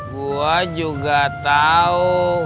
gua juga tau